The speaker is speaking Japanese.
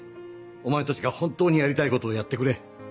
お前たちが本当にやりたいことをやってくれ。